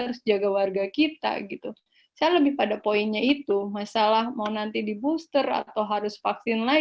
tidak akan menjadi hal yang berguna